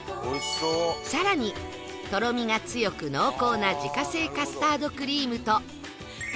さらにとろみが強く濃厚な自家製カスタードクリームと